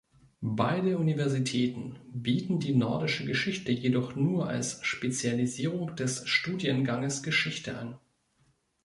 Beide Universitäten bieten die nordische Geschichte jedoch nur als Spezialisierung des Studienganges Geschichte an.